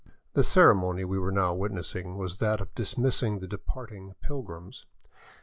The ceremony we were now witnessing was that of dismissing the departing pilgrims.